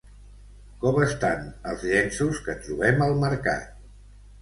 Com estan els llenços que trobem al mercat?